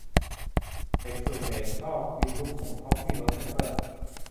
เด็กส่วนใหญ่ชอบกินลูกอมทอฟฟี่รสแอปเปิ้ล